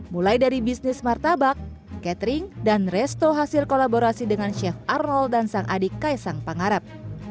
mulai dari bisnis martabak catering dan resto hasil kolaborasi dengan chef arnold dan sang adik kaisang pangarep